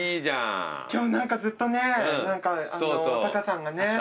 今日何かずっとねタカさんがね